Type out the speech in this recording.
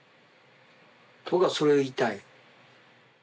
僕はそれを言いたい。